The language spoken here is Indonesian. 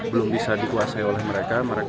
belum bisa dikuasai oleh mereka mereka